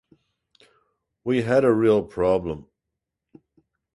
We had a real problem.